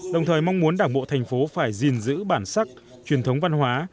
đồng thời mong muốn đảng bộ thành phố phải gìn giữ bản sắc truyền thống văn hóa